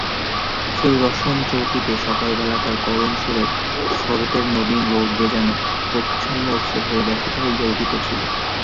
সেই রসনচৌকিতে সকালবেলাকার করুণসুরে শরতের নবীন রৌদ্র যেন প্রচ্ছন্ন অশ্রুভাবে ব্যথিত হইয়া উঠিতেছিল।